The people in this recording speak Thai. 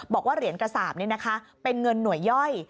บอกว่าเหรียญกระสาปเป็นเงินหน่วยย่อย